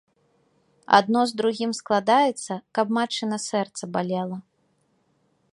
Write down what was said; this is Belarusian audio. Адно з другім складаецца, каб матчына сэрца балела.